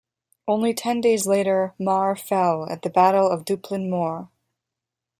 Only ten days later Mar fell at the Battle of Dupplin Moor.